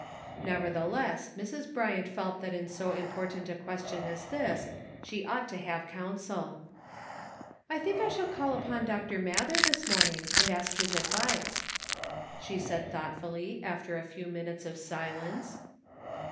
Nevertheless, Mrs. Bryant felt that in so important a question as this she ought to have counsel. "I think I shall call upon Dr. Mather this morning and ask his advice," she said thought fully, after a few minutes of silence.